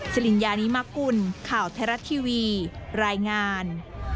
สิริญญานิมกุลข่าวไทยรัฐทีวีรายงาน